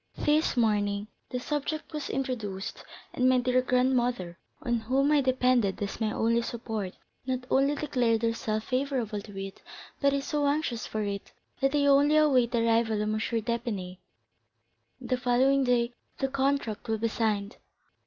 This morning the subject was introduced, and my dear grandmother, on whom I depended as my only support, not only declared herself favorable to it, but is so anxious for it, that they only await the arrival of M. d'Épinay, and the following day the contract will be signed."